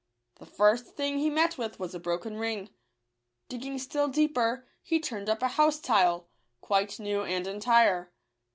The first thing he met with was a broken ring ; digging still deeper, he turned up a house tile, quite new and entire.